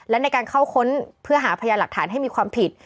และในการเข้าค้นเพื่อหาพยานหลักฐานให้มีความผิด